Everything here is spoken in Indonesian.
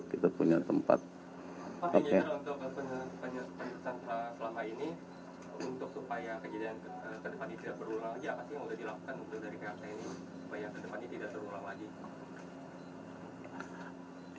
pak jadi untuk penyelesaian selama ini untuk supaya kejadian tersebut tidak berulang lagi apakah yang sudah dilakukan untuk dari kk ini supaya tersebut tidak berulang lagi